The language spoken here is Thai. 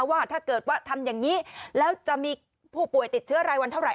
ว่าถ้าเกิดว่าทำอย่างนี้แล้วจะมีผู้ป่วยติดเชื้อรายวันเท่าไห